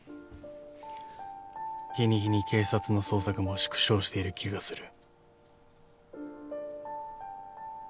日に日に警察の捜索も縮小している気がする。